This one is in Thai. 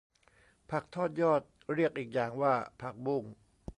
ผักทอดยอดเรียกอีกอย่างว่าผักบุ้ง